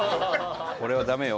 これはダメよ。